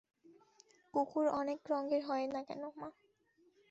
কুকুর অনেক রঙের হয় না কেন, মা?